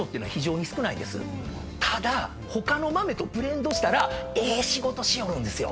ただ他の豆とブレンドしたらええ仕事しよるんですよ。